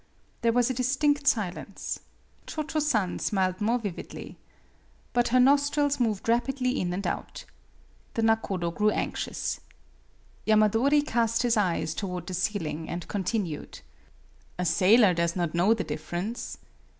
There was a distinct silence. Cho Cho San smiled more vividly. But her nostrils moved rapidly in and out. The nakodo grew anxious. Yamadori cast his eyes toward the ceiling, and continued: " A sailor does not know the difference.